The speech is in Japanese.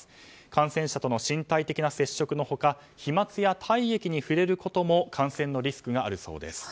感染者との身体的な接触の他飛沫や体液に触れることも感染のリスクがあるそうです。